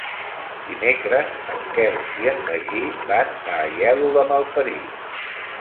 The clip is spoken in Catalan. Dimecres en Quel i en Magí van a Aielo de Malferit.